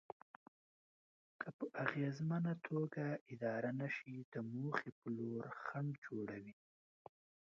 که په اغېزمنه توګه اداره نشي د موخې په لور خنډ جوړوي.